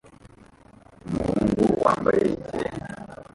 Umuhungu wambaye ikirenge